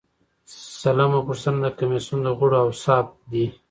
سلمه پوښتنه د کمیسیون د غړو اوصاف دي.